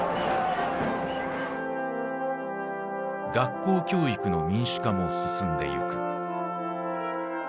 学校教育の民主化も進んでゆく。